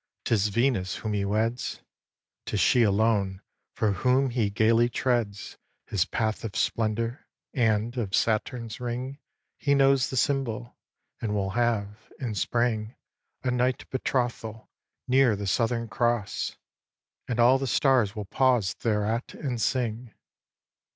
'Tis Venus whom he weds. 'Tis she alone for whom he gaily treads His path of splendour; and of Saturn's ring He knows the symbol, and will have, in spring, A night betrothal, near the Southern Cross; And all the stars will pause thereat and sing.